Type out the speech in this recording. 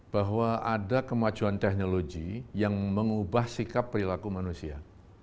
bahwa ada kemajuan teknologi yang mengubah sikap perilaku manusia